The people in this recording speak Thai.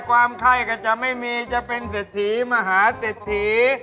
ความไข้ก็จะไม่มีจะเป็นเศรษฐีมหาเศรษฐี